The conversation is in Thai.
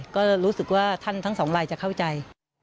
ก็รู้สึกว่าท่านทั้งสองลายจะเข้าใจ